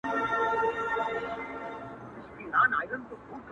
شپې لېونۍ وای له پایکوبه خو چي نه تېرېدای -